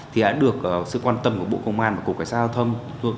thì đã được sự quan tâm của bộ công an và cục cảnh sát giao thông